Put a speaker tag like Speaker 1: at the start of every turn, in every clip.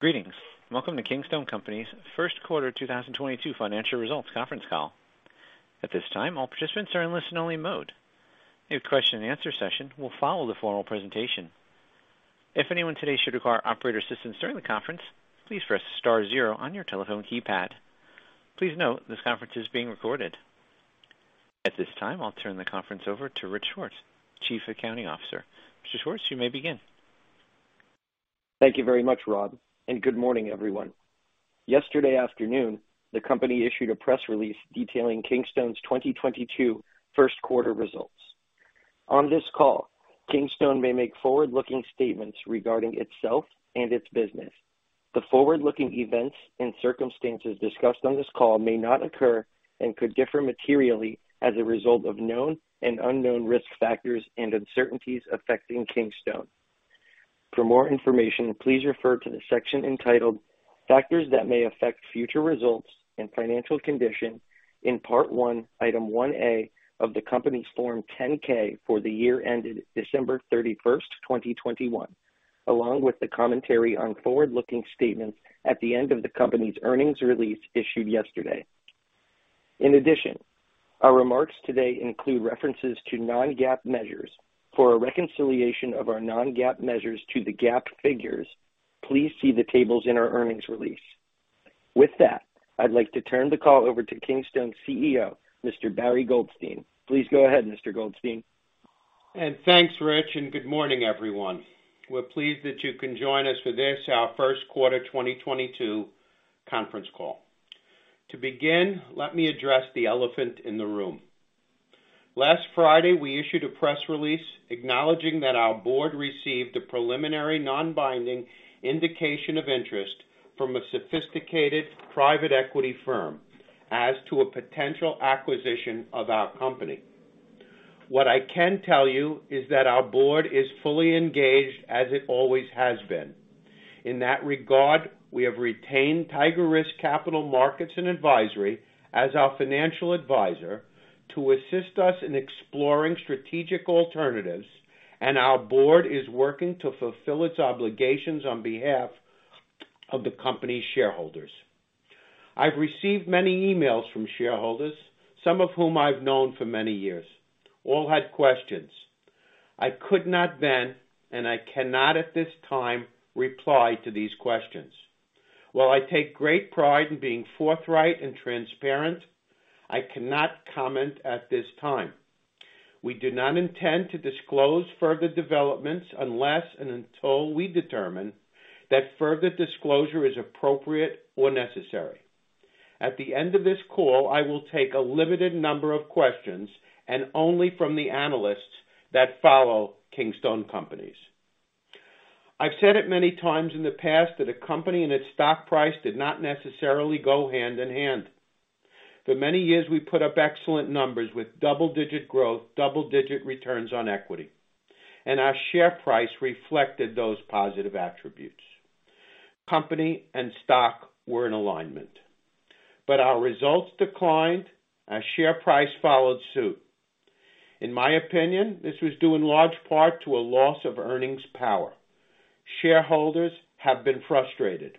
Speaker 1: Greetings. Welcome to Kingstone Companies' First Quarter 2022 Financial Results Conference Call. At this time, all participants are in listen-only mode. A question and answer session will follow the formal presentation. If anyone today should require operator assistance during the conference, please press star zero on your telephone keypad. Please note this conference is being recorded. At this time, I'll turn the conference over to Rich Swartz, Chief Accounting Officer. Mr. Swartz, you may begin.
Speaker 2: Thank you very much, Rob, and good morning, everyone. Yesterday afternoon, the company issued a press release detailing Kingstone's 2022 first quarter results. On this call, Kingstone may make forward-looking statements regarding itself and its business. The forward-looking events and circumstances discussed on this call may not occur and could differ materially as a result of known and unknown risk factors and uncertainties affecting Kingstone. For more information, please refer to the section entitled Factors that May Affect Future Results and Financial Condition in Part I, Item 1A of the company's Form 10-K for the year ended December 31, 2021, along with the commentary on forward-looking statements at the end of the company's earnings release issued yesterday. In addition, our remarks today include references to non-GAAP measures. For a reconciliation of our non-GAAP measures to the GAAP figures, please see the tables in our earnings release. With that, I'd like to turn the call over to Kingstone CEO, Mr. Barry Goldstein. Please go ahead, Mr. Goldstein.
Speaker 3: Thanks, Rich, and good morning, everyone. We're pleased that you can join us for this, our first quarter 2022 conference call. To begin, let me address the elephant in the room. Last Friday, we issued a press release acknowledging that our board received a preliminary, non-binding indication of interest from a sophisticated private equity firm as to a potential acquisition of our company. What I can tell you is that our board is fully engaged, as it always has been. In that regard, we have retained TigerRisk Capital Markets & Advisory as our financial advisor to assist us in exploring strategic alternatives. Our board is working to fulfill its obligations on behalf of the company's shareholders. I've received many emails from shareholders, some of whom I've known for many years. All had questions. I could not then, and I cannot at this time reply to these questions. While I take great pride in being forthright and transparent, I cannot comment at this time. We do not intend to disclose further developments unless and until we determine that further disclosure is appropriate or necessary. At the end of this call, I will take a limited number of questions, and only from the analysts that follow Kingstone Companies. I've said it many times in the past that a company and its stock price did not necessarily go hand in hand. For many years, we put up excellent numbers with double-digit growth, double-digit returns on equity, and our share price reflected those positive attributes. Company and stock were in alignment. Our results declined. Our share price followed suit. In my opinion, this was due in large part to a loss of earnings power. Shareholders have been frustrated.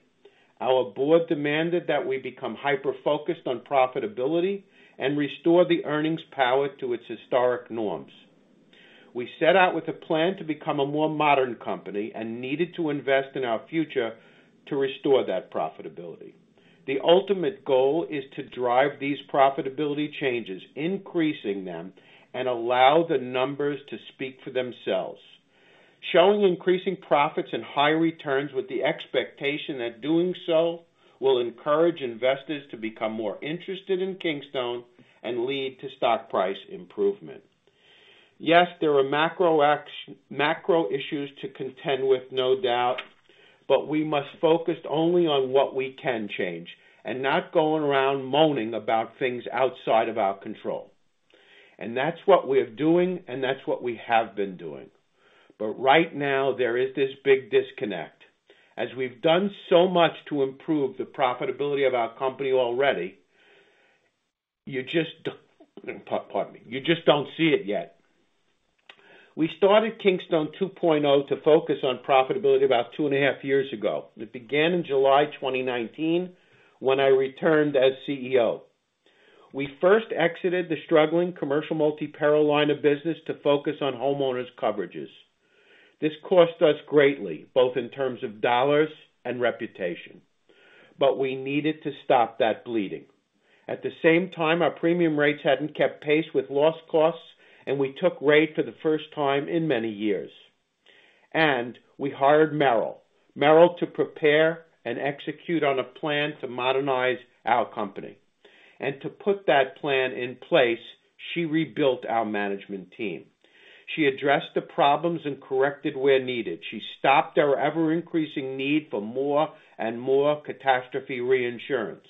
Speaker 3: Our board demanded that we become hyper-focused on profitability and restore the earnings power to its historic norms. We set out with a plan to become a more modern company and needed to invest in our future to restore that profitability. The ultimate goal is to drive these profitability changes, increasing them, and allow the numbers to speak for themselves. Showing increasing profits and higher returns with the expectation that doing so will encourage investors to become more interested in Kingstone and lead to stock price improvement. Yes, there are macro issues to contend with, no doubt, but we must focus only on what we can change and not going around moaning about things outside of our control. That's what we're doing, and that's what we have been doing. Right now, there is this big disconnect. As we've done so much to improve the profitability of our company already, you just don't see it yet. We started Kingstone 2.0 to focus on profitability about 2.5 years ago. It began in July 2019 when I returned as CEO. We first exited the struggling commercial multi-peril line of business to focus on homeowners' coverages. This cost us greatly, both in terms of dollars and reputation, but we needed to stop that bleeding. At the same time, our premium rates hadn't kept pace with loss costs, and we took rate for the first time in many years. We hired Meryl to prepare and execute on a plan to modernize our company. To put that plan in place, she rebuilt our management team. She addressed the problems and corrected where needed. She stopped our ever-increasing need for more and more catastrophe reinsurance.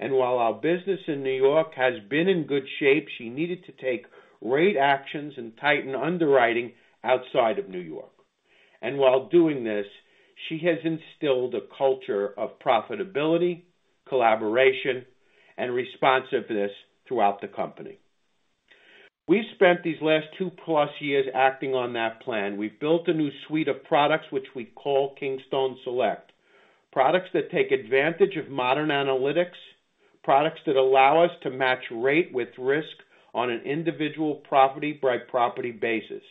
Speaker 3: While our business in New York has been in good shape, she needed to take great actions and tighten underwriting outside of New York. While doing this, she has instilled a culture of profitability, collaboration, and responsiveness throughout the company. We've spent these last two-plus years acting on that plan. We've built a new suite of products, which we call Kingstone Select, products that take advantage of modern analytics, products that allow us to match rate with risk on an individual property-by-property basis,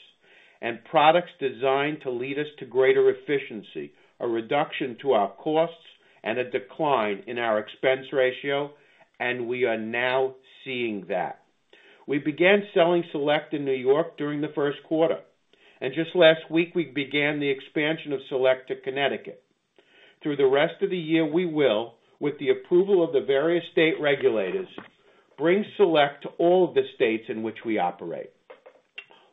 Speaker 3: and products designed to lead us to greater efficiency, a reduction to our costs, and a decline in our expense ratio. We are now seeing that. We began selling Select in New York during the first quarter, and just last week, we began the expansion of Select to Connecticut. Through the rest of the year, we will, with the approval of the various state regulators, bring Select to all of the states in which we operate.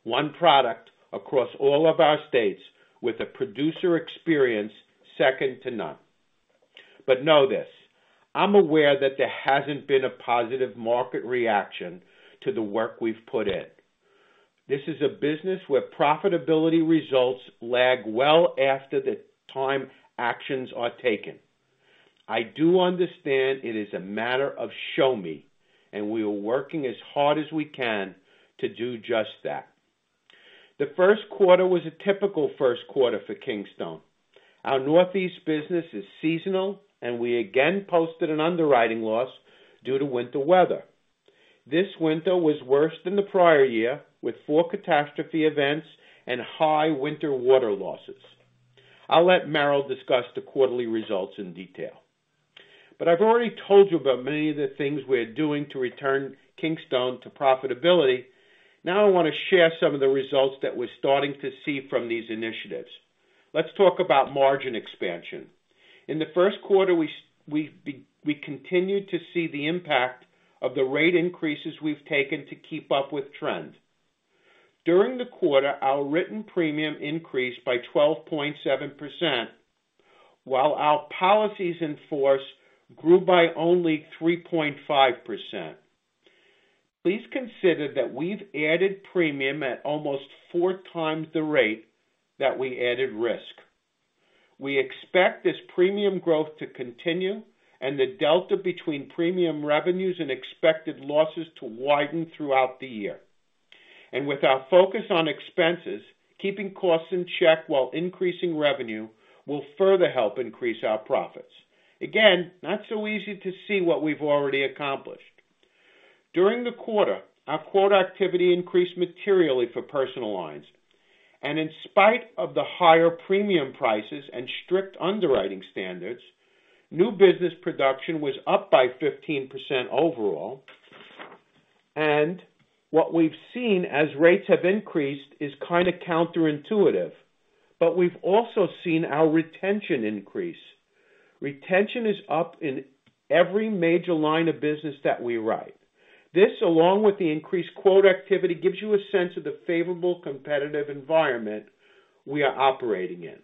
Speaker 3: One product across all of our states with a producer experience second to none. Know this, I'm aware that there hasn't been a positive market reaction to the work we've put in. This is a business where profitability results lag well after the time actions are taken. I do understand it is a matter of show me, and we are working as hard as we can to do just that. The first quarter was a typical first quarter for Kingstone. Our Northeast business is seasonal, and we again posted an underwriting loss due to winter weather. This winter was worse than the prior year, with four catastrophe events and high winter weather losses. I'll let Meryl discuss the quarterly results in detail. I've already told you about many of the things we're doing to return Kingstone to profitability. Now, I want to share some of the results that we're starting to see from these initiatives. Let's talk about margin expansion. In the first quarter we continued to see the impact of the rate increases we've taken to keep up with trend. During the quarter, our written premium increased by 12.7%, while our policies in force grew by only 3.5%. Please consider that we've added premium at almost 4x the rate that we added risk. We expect this premium growth to continue and the delta between premium revenues and expected losses to widen throughout the year. With our focus on expenses, keeping costs in check while increasing revenue will further help increase our profits. Again, not so easy to see what we've already accomplished. During the quarter, our quote activity increased materially for personal lines. In spite of the higher premium prices and strict underwriting standards, new business production was up by 15% overall. What we've seen as rates have increased is kind of counterintuitive, but we've also seen our retention increase. Retention is up in every major line of business that we write. This, along with the increased quote activity, gives you a sense of the favorable competitive environment we are operating in.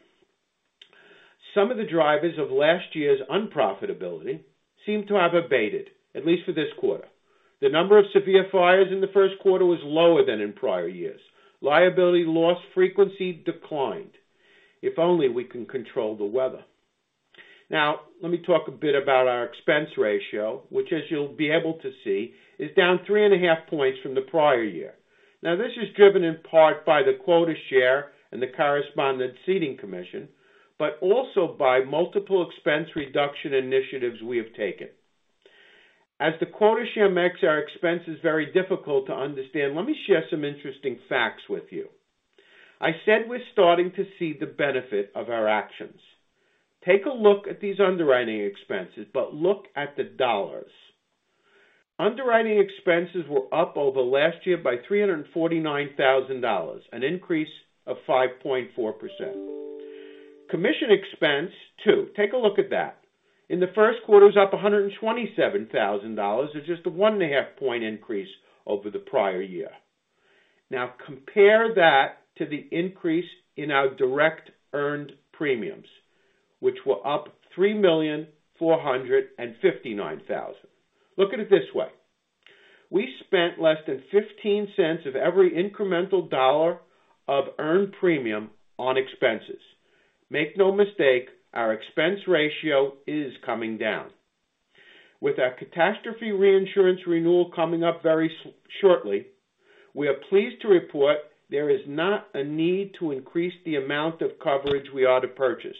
Speaker 3: Some of the drivers of last year's unprofitability seem to have abated, at least for this quarter. The number of severe fires in the first quarter was lower than in prior years. Liability loss frequency declined. If only we can control the weather. Now, let me talk a bit about our expense ratio, which, as you'll be able to see, is down 3.5 points from the prior year. This is driven in part by the quota share and the corresponding ceding commission, but also by multiple expense reduction initiatives we have taken. As the quota share makes our expenses very difficult to understand, let me share some interesting facts with you. I said we're starting to see the benefit of our actions. Take a look at these underwriting expenses, but look at the dollars. Underwriting expenses were up over last year by $349,000, an increase of 5.4%. Commission expense too, take a look at that. In the first quarter, it was up $127,000. It's just a 1.5 point increase over the prior year. Now compare that to the increase in our direct earned premiums, which were up $3,459,000. Look at it this way. We spent less than $0.15 of every incremental dollar of earned premium on expenses. Make no mistake, our expense ratio is coming down. With our catastrophe reinsurance renewal coming up very shortly, we are pleased to report there is not a need to increase the amount of coverage we ought to purchase.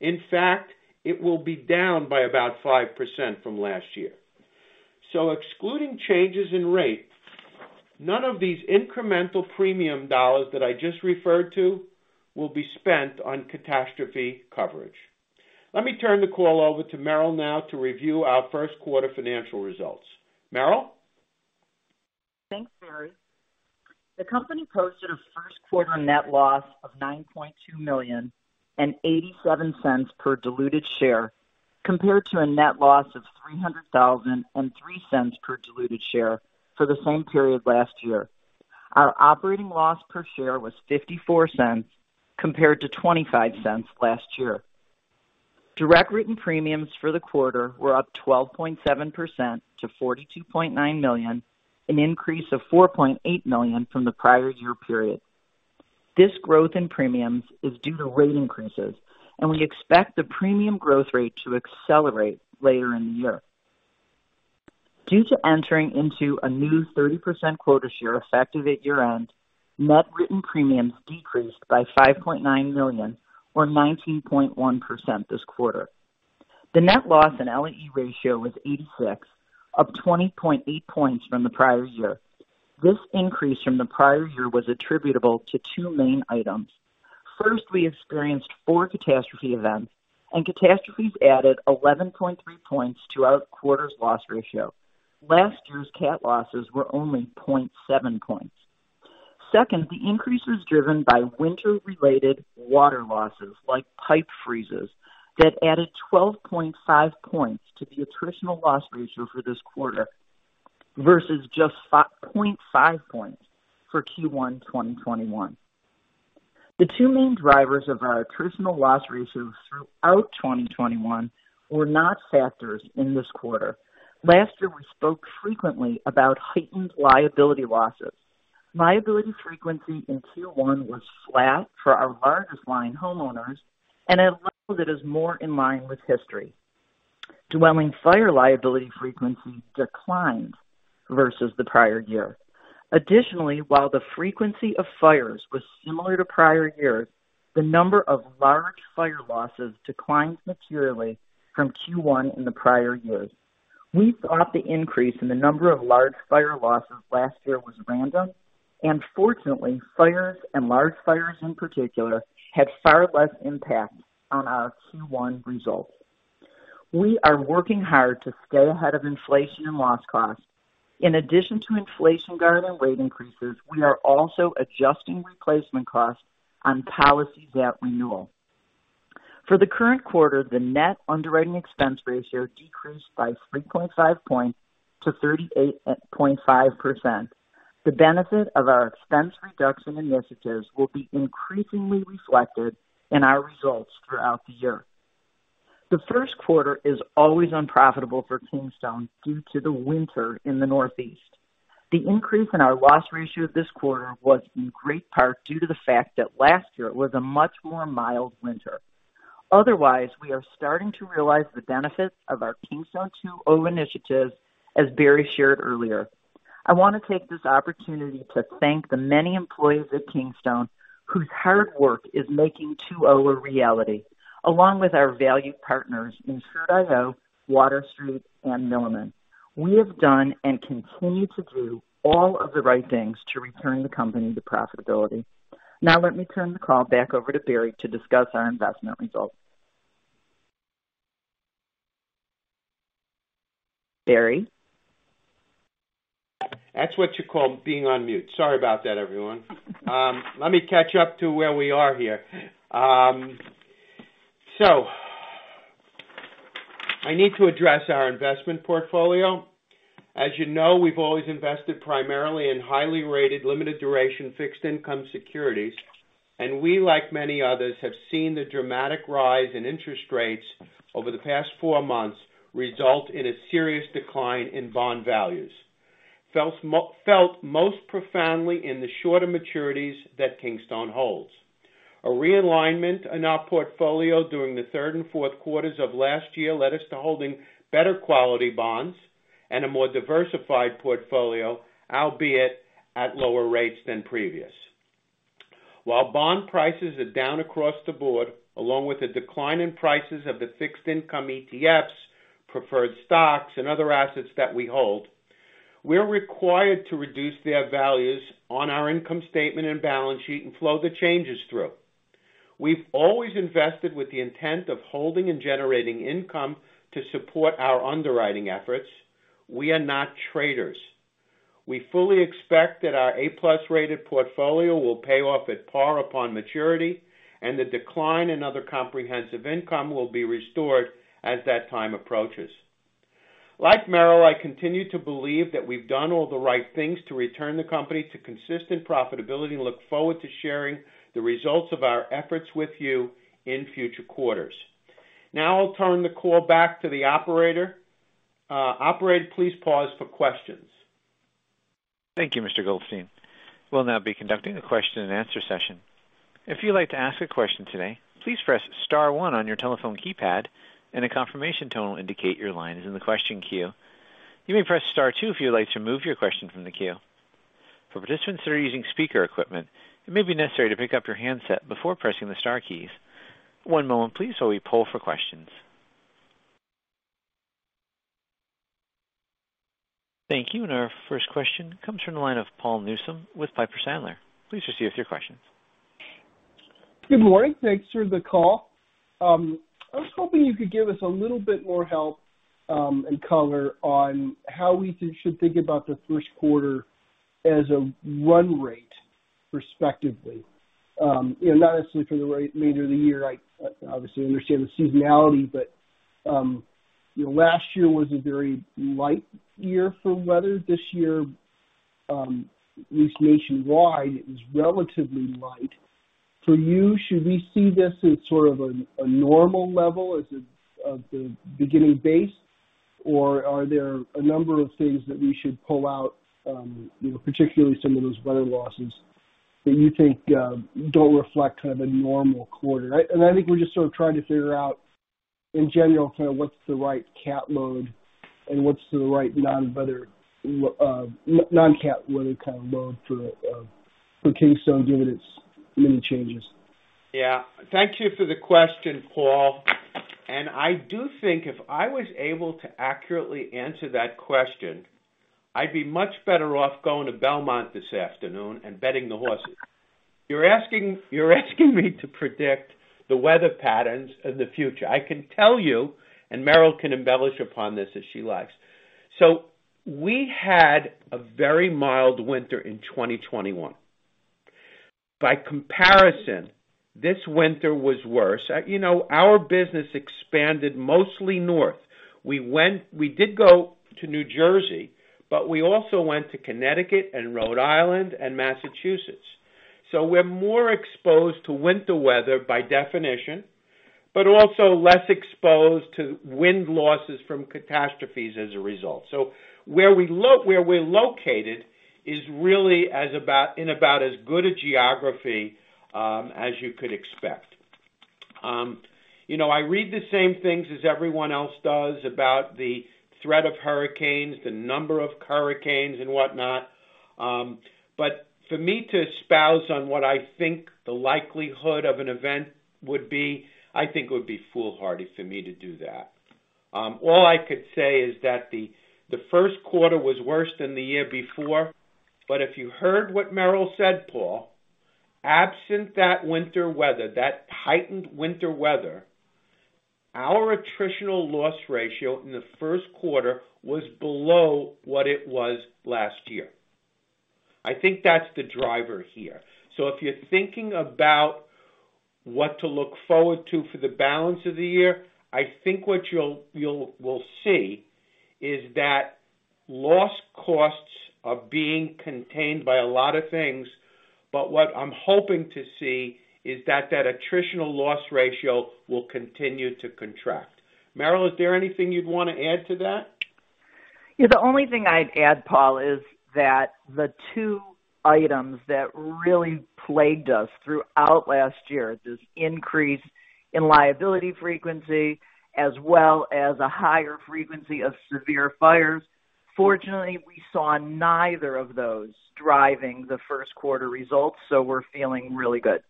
Speaker 3: In fact, it will be down by about 5% from last year. Excluding changes in rate, none of these incremental premium dollars that I just referred to will be spent on catastrophe coverage. Let me turn the call over to Meryl now to review our first quarter financial results. Meryl?
Speaker 4: Thanks, Barry. The company posted a first quarter net loss of $9.2 million and $0.87 per diluted share, compared to a net loss of $300,000 and $0.03 per diluted share for the same period last year. Our operating loss per share was $0.54 compared to $0.25 last year. Direct written premiums for the quarter were up 12.7% to $42.9 million, an increase of $4.8 million from the prior year period. This growth in premiums is due to rate increases, and we expect the premium growth rate to accelerate later in the year. Due to entering into a new 30% quota share effective at year-end, net written premiums decreased by $5.9 million, or 19.1% this quarter. The net loss and LAE ratio was 86, up 20.8 points from the prior year. This increase from the prior year was attributable to two main items. First, we experienced four catastrophe events, and catastrophes added 11.3 points to our quarter's loss ratio. Last year's CAT losses were only 0.7 points. Second, the increase was driven by winter-related water losses, like pipe freezes, that added 12.5 points to the attritional loss ratio for this quarter versus just 5.5 points for Q1 2021. The two main drivers of our attritional loss ratios throughout 2021 were not factors in this quarter. Last year, we spoke frequently about heightened liability losses. Liability frequency in Q1 was flat for our largest line homeowners and a level that is more in line with history. Dwelling fire liability frequency declined versus the prior year. Additionally, while the frequency of fires was similar to prior years, the number of large fire losses declined materially from Q1 in the prior years. We thought the increase in the number of large fire losses last year was random, and fortunately, fires, and large fires in particular, had far less impact on our Q1 results. We are working hard to stay ahead of inflation and loss costs. In addition to inflation guarding rate increases, we are also adjusting replacement costs on policies at renewal. For the current quarter, the net underwriting expense ratio decreased by 3.5 points to 38.5%. The benefit of our expense reduction initiatives will be increasingly reflected in our results throughout the year. The first quarter is always unprofitable for Kingstone due to the winter in the Northeast. The increase in our loss ratio this quarter was in great part due to the fact that last year was a much more mild winter. Otherwise, we are starting to realize the benefits of our Kingstone 2.0 initiatives, as Barry shared earlier. I want to take this opportunity to thank the many employees of Kingstone whose hard work is making 2.0 a reality, along with our valued partners insured.io, Water Street, and Milliman. We have done and continue to do all of the right things to return the company to profitability. Now let me turn the call back over to Barry to discuss our investment results. Barry?
Speaker 3: That's what you call being on mute. Sorry about that, everyone. Let me catch up to where we are here. So I need to address our investment portfolio. As you know, we've always invested primarily in highly rated, limited duration, fixed income securities. We, like many others, have seen the dramatic rise in interest rates over the past four months result in a serious decline in bond values, felt most profoundly in the shorter maturities that Kingstone holds. A realignment in our portfolio during the third and fourth quarters of last year led us to holding better quality bonds and a more diversified portfolio, albeit at lower rates than previous. While bond prices are down across the board, along with a decline in prices of the fixed income ETFs, preferred stocks, and other assets that we hold, we're required to reduce their values on our income statement and balance sheet and flow the changes through. We've always invested with the intent of holding and generating income to support our underwriting efforts. We are not traders. We fully expect that our A+ rated portfolio will pay off at par upon maturity, and the decline in other comprehensive income will be restored as that time approaches. Like Meryl, I continue to believe that we've done all the right things to return the company to consistent profitability and look forward to sharing the results of our efforts with you in future quarters. Now I'll turn the call back to the operator. Operator, please pause for questions.
Speaker 1: Thank you, Mr. Goldstein. We'll now be conducting a question-and-answer session. If you'd like to ask a question today, please press star one on your telephone keypad and a confirmation tone will indicate your line is in the question queue. You may press star two if you'd like to remove your question from the queue. For participants that are using speaker equipment, it may be necessary to pick up your handset before pressing the star keys. One moment, please, while we poll for questions. Thank you. Our first question comes from the line of Paul Newsome with Piper Sandler. Please proceed with your question.
Speaker 5: Good morning. Thanks for the call. I was hoping you could give us a little bit more help, and color on how we should think about the first quarter as a run rate respectively. And not necessarily for the remainder of the year. I obviously understand the seasonality, but you know, last year was a very light year for weather. This year, at least nationwide, is relatively light. For you, should we see this as sort of a normal level as the beginning base? Or are there a number of things that we should pull out, you know, particularly some of those weather losses that you think don't reflect kind of a normal quarter? I think we're just sort of trying to figure out, in general, kind of what's the right CAT load and what's the right non-CAT weather kind of load for Kingstone, given its many changes.
Speaker 3: Yeah. Thank you for the question, Paul. I do think if I was able to accurately answer that question, I'd be much better off going to Belmont this afternoon and betting the horses. You're asking me to predict the weather patterns of the future. I can tell you, and Meryl can embellish upon this as she likes. We had a very mild winter in 2021. By comparison, this winter was worse. You know, our business expanded mostly north. We did go to New Jersey, but we also went to Connecticut and Rhode Island and Massachusetts. We're more exposed to winter weather by definition, but also less exposed to wind losses from catastrophes as a result. Where we're located is really in about as good a geography as you could expect. You know, I read the same things as everyone else does about the threat of hurricanes, the number of hurricanes and whatnot. For me to espouse on what I think the likelihood of an event would be, I think it would be foolhardy for me to do that. All I could say is that the first quarter was worse than the year before. If you heard what Meryl said, Paul, absent that winter weather, that heightened winter weather, our attritional loss ratio in the first quarter was below what it was last year. I think that's the driver here. If you're thinking about what to look forward to for the balance of the year, I think what you'll see is that loss costs are being contained by a lot of things. What I'm hoping to see is that attritional loss ratio will continue to contract. Meryl, is there anything you'd want to add to that?
Speaker 4: Yeah, the only thing I'd add, Paul, is that the two items that really plagued us throughout last year, this increase in liability frequency as well as a higher frequency of severe fires. Fortunately, we saw neither of those driving the first quarter results, so we're feeling really good.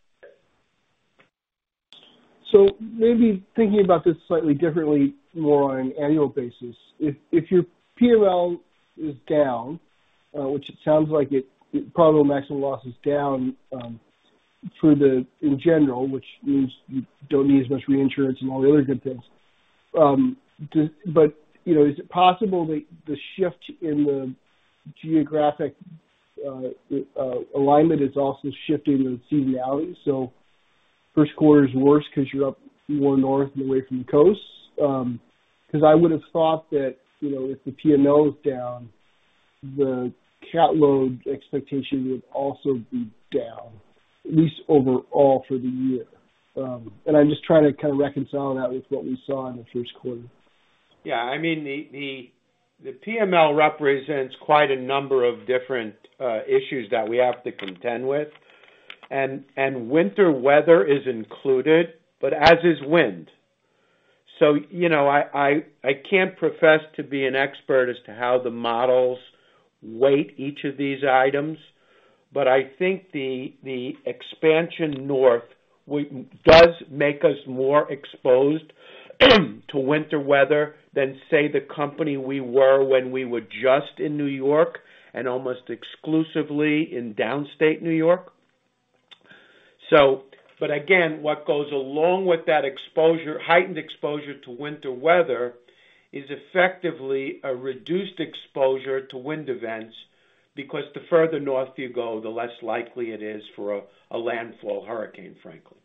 Speaker 5: Maybe thinking about this slightly differently, more on an annual basis. If your P&L is down, which it sounds like it probably maximum loss is down in general, which means you don't need as much reinsurance and all the other good things. You know, is it possible that the shift in the geographic alignment is also shifting the seasonality, so first quarter is worse because you're up more north and away from the coasts? 'Cause I would've thought that, you know, if the P&L is down, the CAT load expectation would also be down, at least overall for the year. I'm just trying to kind of reconcile that with what we saw in the first quarter.
Speaker 3: Yeah. I mean, the P&L represents quite a number of different issues that we have to contend with. Winter weather is included, but as is wind. You know, I can't profess to be an expert as to how the models weigh each of these items, but I think the expansion does make us more exposed to winter weather than, say, the company we were when we were just in New York and almost exclusively in Downstate New York. But again, what goes along with that exposure, heightened exposure to winter weather is effectively a reduced exposure to wind events because the further north you go, the less likely it is for a landfall hurricane, frankly.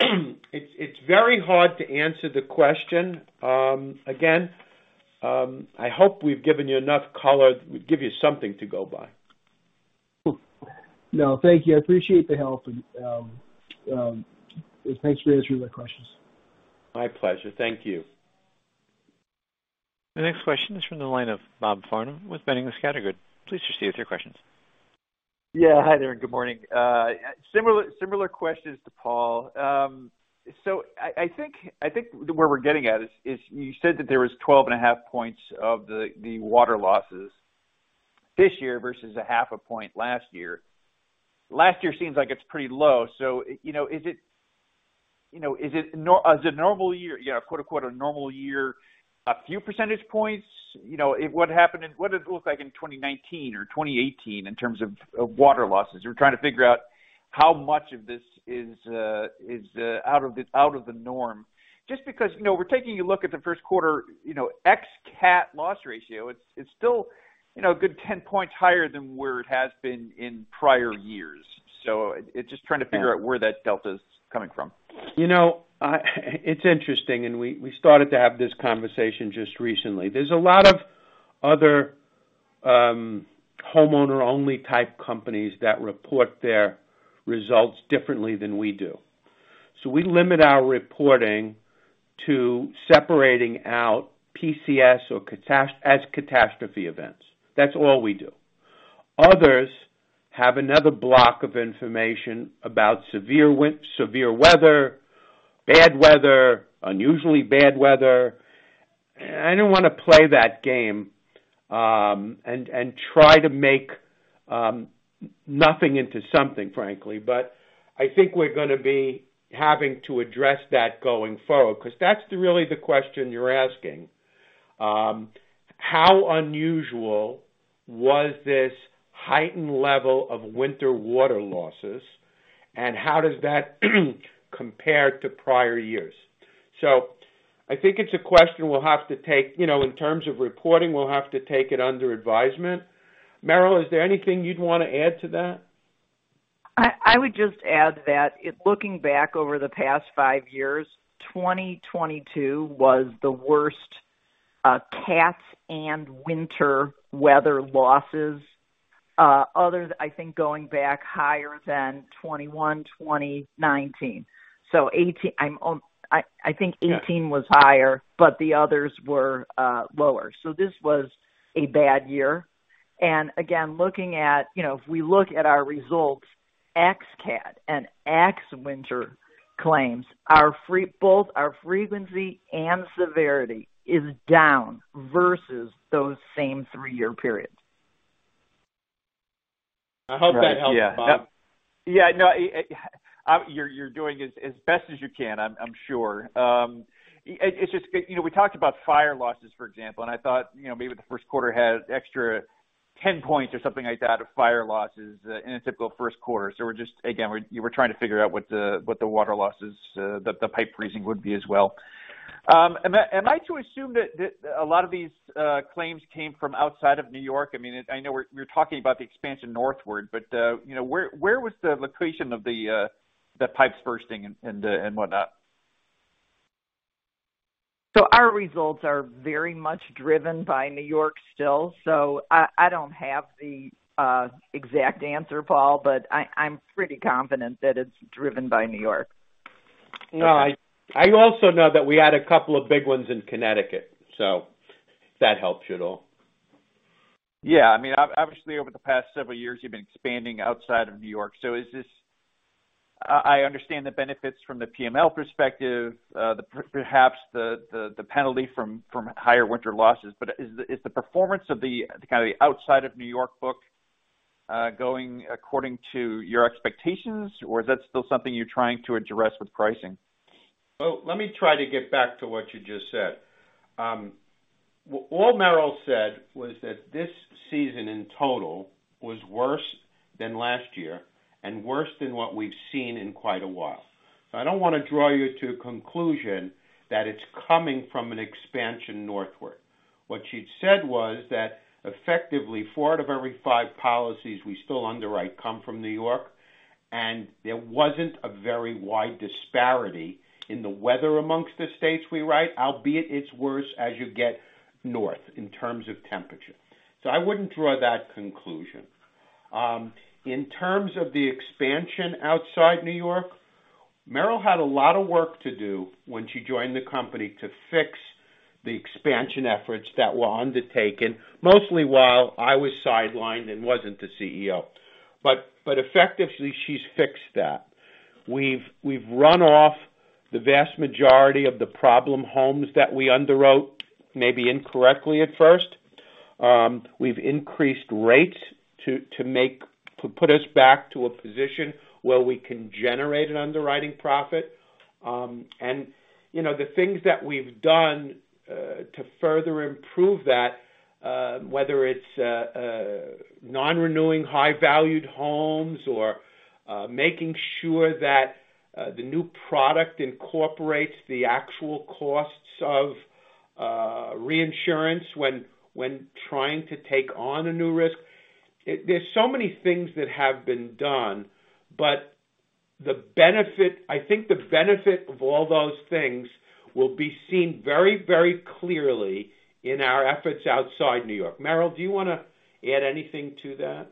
Speaker 3: It's very hard to answer the question. Again, I hope we've given you enough color, give you something to go by.
Speaker 5: No, thank you. I appreciate the help. Thanks for answering my questions.
Speaker 3: My pleasure. Thank you.
Speaker 1: The next question is from the line of Bob Farnam with Boenning & Scattergood. Please proceed with your questions.
Speaker 6: Yeah. Hi there, and good morning. Similar questions to Paul. I think where we're getting at is you said that there was 12.5 points of the water losses this year versus 0.5 point last year. Last year seems like it's pretty low. You know, is it normal, as a normal year, you know, quote-unquote, "a normal year," a few percentage points? You know, what did it look like in 2019 or 2018 in terms of water losses? We're trying to figure out how much of this is out of the norm. Just because, you know, we're taking a look at the first quarter, you know, ex-CAT loss ratio. It's still, you know, a good 10 points higher than where it has been in prior years. It's just trying to figure out where that delta's coming from.
Speaker 3: You know, it's interesting, and we started to have this conversation just recently. There's a lot of other homeowner-only type companies that report their results differently than we do. We limit our reporting to separating out PCS or catastrophe events. That's all we do. Others have another block of information about severe weather, bad weather, unusually bad weather. I don't want to play that game, and try to make nothing into something, frankly. I think we're gonna be having to address that going forward, because that's really the question you're asking. How unusual was this heightened level of winter water losses, and how does that compare to prior years? I think it's a question we'll have to take. You know, in terms of reporting, we'll have to take it under advisement. Meryl, is there anything you'd want to add to that?
Speaker 4: I would just add that looking back over the past five years, 2022 was the worst CATs and winter weather losses other than, I think, going back higher than 2021, 2019. I think 2018 was higher, but the others were lower. This was a bad year. Looking at, if we look at our results, ex-CAT and ex-winter claims, both our frequency and severity is down versus those same three-year periods.
Speaker 3: I hope that helps, Bob.
Speaker 6: Yeah. No, you're doing as best as you can, I'm sure. It's just, you know, we talked about fire losses, for example, and I thought, you know, maybe the first quarter had extra 10 points or something like that of fire losses in a typical first quarter. We're just, again, we're trying to figure out what the water losses, the pipe freezing would be as well. Am I to assume that a lot of these claims came from outside of New York? I mean, I know we're talking about the expansion northward, but, you know, where was the location of the pipes bursting and whatnot?
Speaker 4: Our results are very much driven by New York still, so I don't have the exact answer, Paul, but I'm pretty confident that it's driven by New York.
Speaker 3: No, I also know that we had a couple of big ones in Connecticut, so if that helps you at all.
Speaker 6: Yeah. I mean, obviously, over the past several years, you've been expanding outside of New York. Is this, I understand the benefits from the P&L perspective, perhaps the penalty from higher winter losses. Is the performance of the kind of the outside of New York book going according to your expectations, or is that still something you're trying to address with pricing?
Speaker 3: Let me try to get back to what you just said. What Meryl said was that this season in total was worse than last year and worse than what we've seen in quite a while. I don't want to draw you to a conclusion that it's coming from an expansion northward. What she'd said was that effectively four out of every five policies we still underwrite come from New York, and there wasn't a very wide disparity in the weather among the states we write, albeit it's worse as you get north in terms of temperature. I wouldn't draw that conclusion. In terms of the expansion outside New York, Meryl had a lot of work to do when she joined the company to fix the expansion efforts that were undertaken, mostly while I was sidelined and wasn't the CEO. Effectively, she's fixed that. We've run off the vast majority of the problem homes that we underwrote, maybe incorrectly at first. We've increased rates to put us back to a position where we can generate an underwriting profit. And, you know, the things that we've done to further improve that, whether it's non-renewing high-valued homes or making sure that the new product incorporates the actual costs of reinsurance when trying to take on a new risk. There's so many things that have been done, but the benefit, I think, of all those things will be seen very, very clearly in our efforts outside New York. Meryl, do you wanna add anything to that?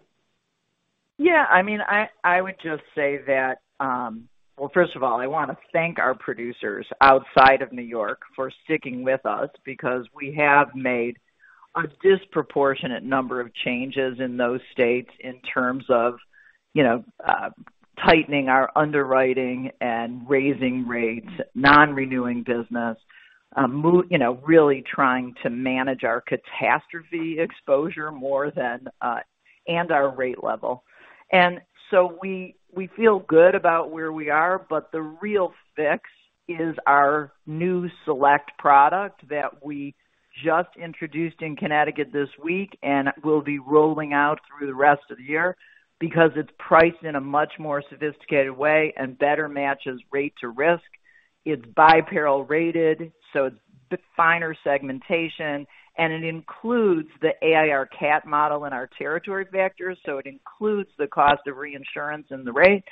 Speaker 4: Yeah, I mean, I would just say that. Well, first of all, I want to thank our producers outside of New York for sticking with us because we have made a disproportionate number of changes in those states in terms of, you know, tightening our underwriting and raising rates, non-renewing business, you know, really trying to manage our catastrophe exposure more than and our rate level. We feel good about where we are, but the real fix is our new Select product that we just introduced in Connecticut this week and will be rolling out through the rest of the year because it's priced in a much more sophisticated way and better matches rate to risk. It's by-peril rated, so it's finer segmentation, and it includes the AIR CAT Model and our territory factors, so it includes the cost of reinsurance and the rate.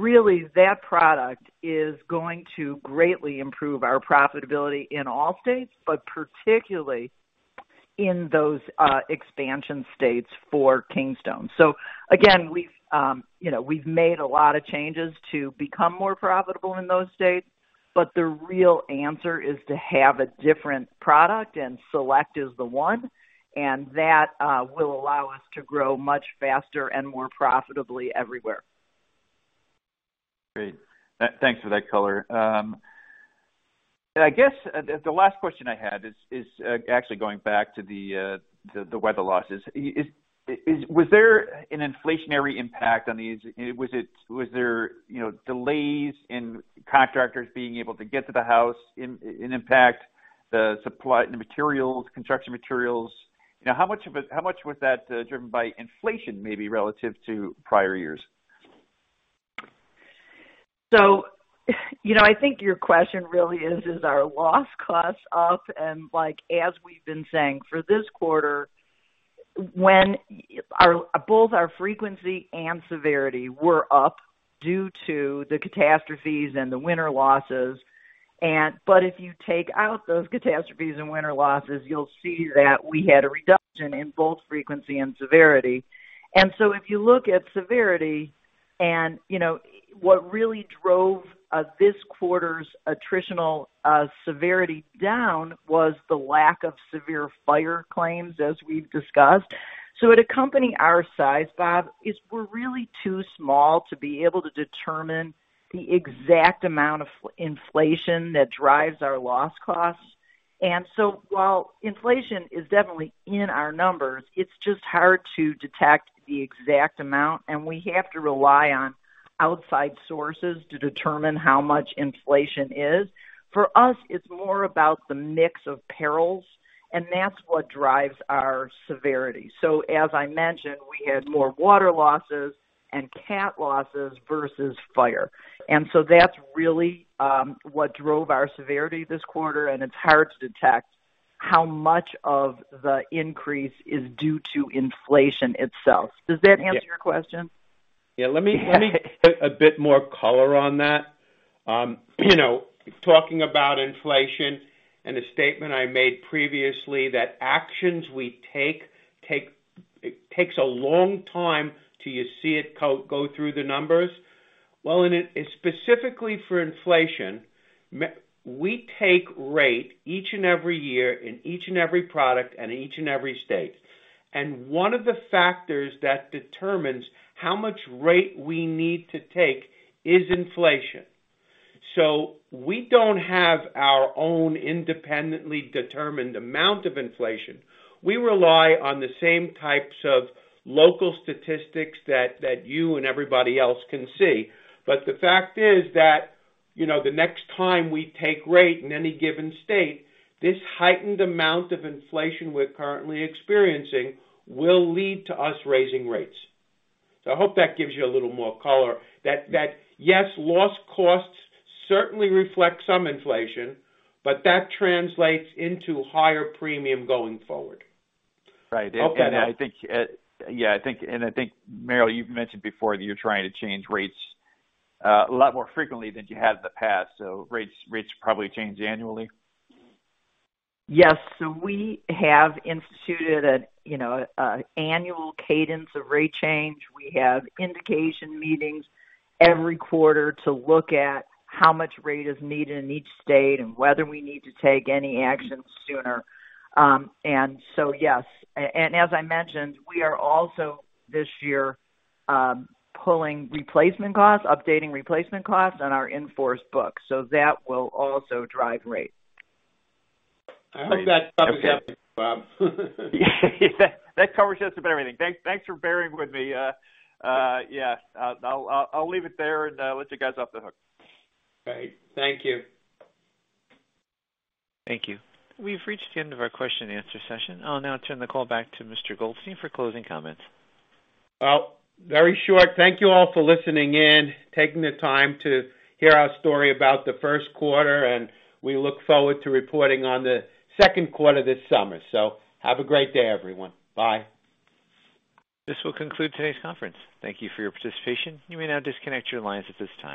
Speaker 4: Really, that product is going to greatly improve our profitability in all states, but particularly in those expansion states for Kingstone. Again, we've you know made a lot of changes to become more profitable in those states, but the real answer is to have a different product, and Select is the one, and that will allow us to grow much faster and more profitably everywhere.
Speaker 6: Great. Thanks for that color. I guess the last question I had is actually going back to the weather losses. Was there an inflationary impact on these? Was there, you know, delays in contractors being able to get to the house and an impact, the supply and the materials, construction materials? You know, how much was that driven by inflation, maybe relative to prior years?
Speaker 4: You know, I think your question really is our loss costs up? Like, as we've been saying for this quarter, when both our frequency and severity were up due to the catastrophes and the winter losses. But if you take out those catastrophes and winter losses, you'll see that we had a reduction in both frequency and severity. If you look at severity and, you know, what really drove this quarter's attritional severity down was the lack of severe fire claims, as we've discussed. At a company our size, Bob, we're really too small to be able to determine the exact amount of inflation that drives our loss costs. While inflation is definitely in our numbers, it's just hard to detect the exact amount, and we have to rely on outside sources to determine how much inflation is. For us, it's more about the mix of perils, and that's what drives our severity. As I mentioned, we had more water losses and CAT losses versus fire. That's really what drove our severity this quarter, and it's hard to detect how much of the increase is due to inflation itself. Does that answer your question?
Speaker 3: Yeah. Let me put a bit more color on that. You know, talking about inflation and the statement I made previously that actions we take, it takes a long time till you see it go through the numbers. Well, specifically for inflation, we take rate each and every year in each and every product and each and every state. One of the factors that determines how much rate we need to take is inflation. We don't have our own independently determined amount of inflation. We rely on the same types of local statistics that you and everybody else can see. The fact is that, you know, the next time we take rate in any given state, this heightened amount of inflation we're currently experiencing will lead to us raising rates. I hope that gives you a little more color. That, yes, loss costs certainly reflect some inflation, but that translates into higher premium going forward.
Speaker 6: Right.
Speaker 3: Okay.
Speaker 6: I think, Meryl, you've mentioned before that you're trying to change rates a lot more frequently than you have in the past. Rates probably change annually.
Speaker 4: Yes. We have instituted an annual cadence of rate change. We have indication meetings every quarter to look at how much rate is needed in each state and whether we need to take any action sooner. Yes. As I mentioned, we are also this year pulling replacement costs, updating replacement costs on our in-force books. That will also drive rate.
Speaker 3: I hope that covers everything, Bob.
Speaker 6: Yeah. That covers just about everything. Thanks for bearing with me. Yeah, I'll leave it there and let you guys off the hook.
Speaker 3: Great. Thank you.
Speaker 1: Thank you. We've reached the end of our question and answer session. I'll now turn the call back to Mr. Goldstein for closing comments.
Speaker 3: Well, very short. Thank you all for listening in, taking the time to hear our story about the first quarter, and we look forward to reporting on the second quarter this summer. Have a great day, everyone. Bye.
Speaker 1: This will conclude today's conference. Thank you for your participation. You may now disconnect your lines at this time.